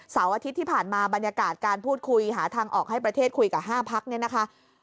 อาทิตย์ที่ผ่านมาบรรยากาศการพูดคุยหาทางออกให้ประเทศคุยกับ๕พักเนี่ยนะคะ